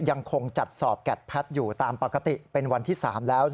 ยังคงจัดสอบแกดแพทย์อยู่ตามปกติเป็นวันที่๓แล้ว